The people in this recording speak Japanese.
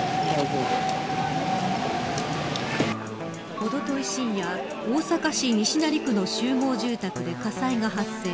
おととい深夜大阪市西成区の集合住宅で火災が発生。